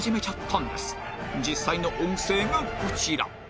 実際の音声がこちら